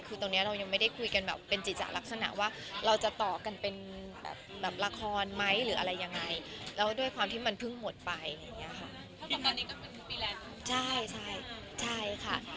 คือตอนนี้เรายังไม่ได้คุยกันแบบเป็นจิจะลักษณะว่าเราจะต่อกันเป็นแบบละครไหมหรืออะไรยังไงแล้วด้วยความที่มันเพิ่งหมดไปอย่างเงี้ยค่ะใช่ใช่ค่ะ